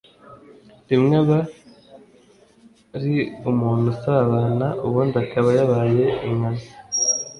rimwe aba ri umuntu usabana ubundi akaba yabaye inkazi